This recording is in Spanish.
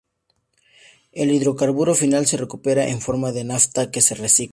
El hidrocarburo final se recupera en forma de nafta, que se recicla.